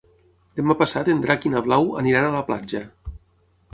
Demà passat en Drac i na Blau aniran a la platja.